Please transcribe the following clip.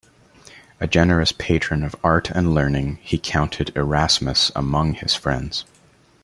A generous patron of art and learning, he counted Erasmus among his friends.